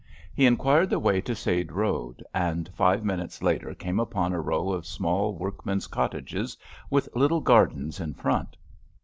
He inquired the way to Sade Road, and five minutes later came upon a row of small workmen's cottages with little gardens in front.